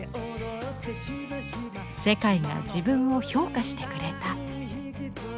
「世界が自分を評価してくれた！」。